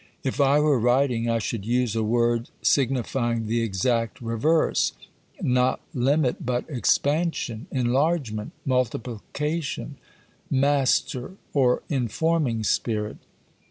If I were writing, I should use a word signifying the exact reverse; not limit, but expansion, enlargement, multiplication, master or informing spirit.